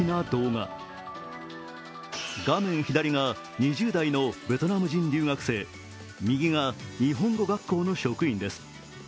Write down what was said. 画面左が２０代のベトナム人留学生右が日本語学校の職員です。